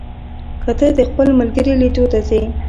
که ته د خپل ملګري لیدو ته ځې،